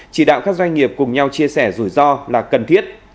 chỉ đạo các doanh nghiệp cùng nhau chia sẻ rủi ro là cần thiết